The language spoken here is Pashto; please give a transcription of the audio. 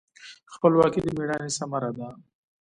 خپلواکي د میړانې ثمره ده.